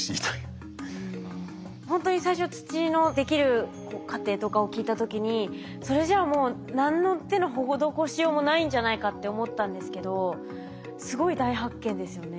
ほんとに最初土のできる過程とかを聞いた時にそれじゃあもう何の手の施しようもないんじゃないかって思ったんですけどすごい大発見ですよね。